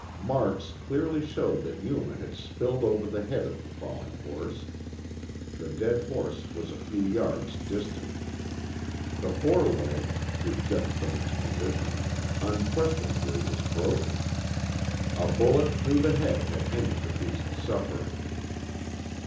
Marks clearly showed that Yuma had spilled over the head of the falling horse. The dead horse was a few yards distant. The foreleg, to judge from its position, unquestionably was broken. A bullet through the head had ended the beast's suffering.